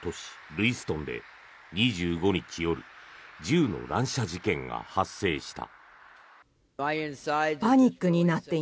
ルイストンで２５日夜銃の乱射事件が発生した。